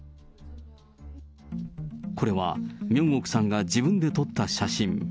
これはミョンオクさんが自分で撮った写真。